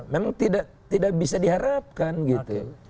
memang tidak bisa diharapkan gitu